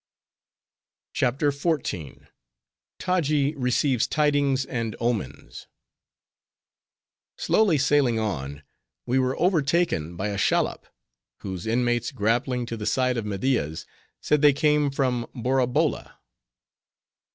CHAPTER XIV. Taji Receives Tidings And Omens Slowly sailing on, we were overtaken by a shallop; whose inmates grappling to the side of Media's, said they came from Borabolla.